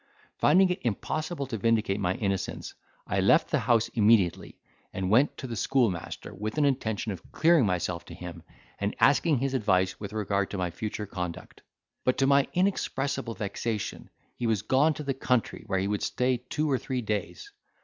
Finding it impossible to vindicate my innocence, I left the house immediately, and went to the schoolmaster, with an intention of clearing myself to him, and asking his advice with regard to my future conduct; but, to my inexpressible vexation, he was gone to the country, where he would stay two or three days.